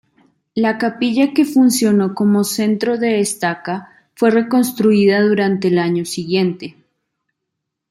La capilla que funcionó como centro de "estaca" fue reconstruida durante el año siguiente.